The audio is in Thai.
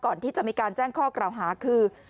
ก่อนที่จะมีการแจ้งข้อกล่าวหาคือ